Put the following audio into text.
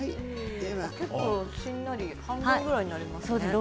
しんなり半分ぐらいなりますね。